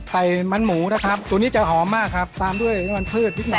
มันหมูนะครับตัวนี้จะหอมมากครับตามด้วยน้ำมันพืชพริกน้ำ